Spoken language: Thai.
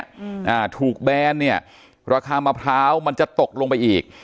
อ่าถูกแบนเนี้ยราคามะพร้าวมันจะตกลงไปอีก